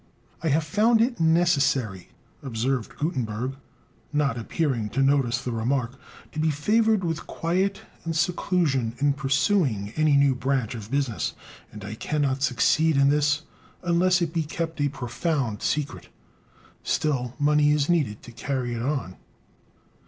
"I have found it necessary," observed Gutenberg, not appearing to notice the remark, "to be favored with quiet and seclusion in pursuing any new branch of business, and I cannot succeed in this unless it be kept a profound secret. Still money is needed to carry it on."